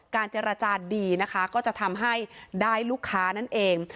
เจรจาดีนะคะก็จะทำให้ได้ลูกค้านั่นเอง